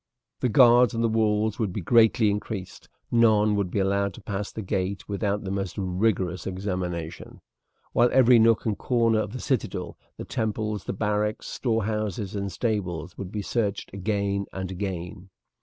The guards on the walls would be greatly increased; none would be allowed to pass the gate without the most rigourous examination; while every nook and corner of the citadel, the temples, the barracks, storehouses, and stables, would be searched again and again.